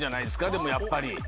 でもやっぱり。